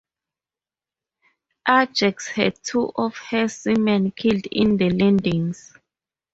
"Ajax" had two of her seamen killed in the landings.